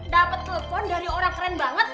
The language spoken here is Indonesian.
dapat telepon dari orang keren banget